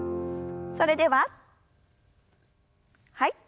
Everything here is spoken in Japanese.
それでははい。